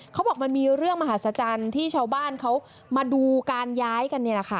เขาบอกมันมีเรื่องมหัศจรรย์ที่ชาวบ้านเขามาดูการย้ายกันเนี่ยแหละค่ะ